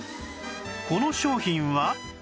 この商品は